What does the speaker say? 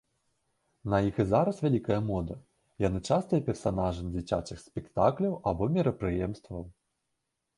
На іх і зараз вялікая мода, яны частыя персанажы дзіцячых спектакляў або мерапрыемстваў.